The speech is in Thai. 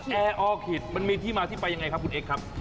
ถ้างั้นแอร์ออคิดมันมีที่มาที่ไปยังไงครับคุณเอ๊กส์ครับ